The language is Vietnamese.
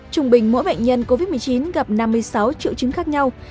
trung bình mỗi bệnh nhân covid một mươi chín gặp năm mươi sáu triệu chứng khác nhau